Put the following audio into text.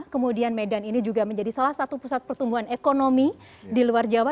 kemudian medan ini juga menjadi salah satu pusat pertumbuhan ekonomi di luar jawa